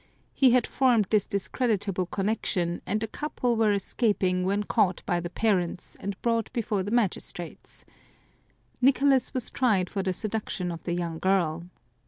He had formed this discredit able connection, and the couple were escaping when caught by the parents and brought before the magis trates. Nicolas was tried for the seduction of the young girl.